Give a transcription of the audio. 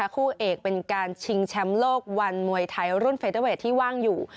คู่เอกเป็นการชิงแชมป์โลกวันมวยไทยรุ่นเฟเตอร์เวทที่ว่างอยู่